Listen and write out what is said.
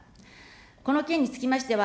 この件につきましては、